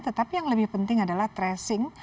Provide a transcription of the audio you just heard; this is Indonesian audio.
tetapi yang lebih penting adalah tracing